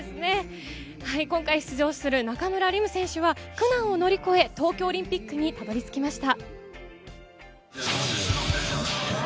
今回出場する中村輪夢選手は、苦難を乗り越え、東京オリンピックにたどり着きました。